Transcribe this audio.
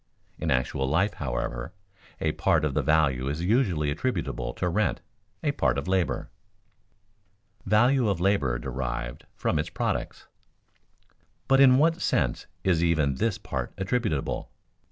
In actual life, however, a part of the value is usually attributable to rent, a part to labor. [Sidenote: Value of labor derived from its products] But in what sense is even this part attributable?